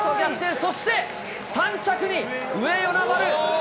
そして、３着に上与那原。